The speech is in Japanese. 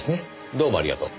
どうもありがとう。